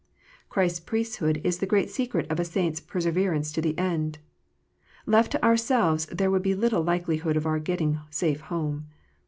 Christ s Priesthood is the great secret of a saint s perseverance to the end. Left to ourselves there would be little likelihood of our getting safe home.